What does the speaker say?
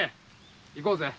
行こうぜ。